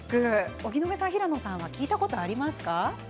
荻野目さん、平野さんは聞いたことありますか？